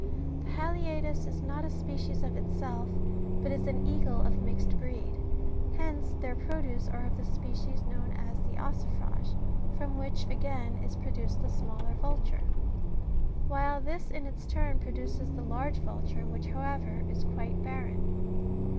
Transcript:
The haliaetus ^^ is not a species of itself, but is an eagle of mixed breed : hence their produce are of the species known as the ossifi age, from which again is produced the smaller vulture ; while this in its turn produces the large vulture, which, however, is quite barren.